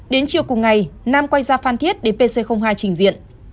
đến chiều cùng ngày nam quay ra phan thiết đến pc hai trình diện